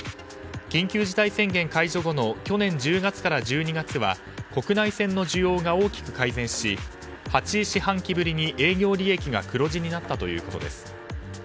緊急事態宣言解除後の去年１０月から１２月は国内線の需要が大きく改善し８四半期ぶりに営業利益が黒字になったということです。